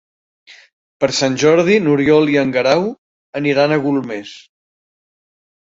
Per Sant Jordi n'Oriol i en Guerau aniran a Golmés.